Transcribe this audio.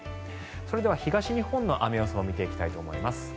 それでは東日本の雨予想も見ていきたいと思います。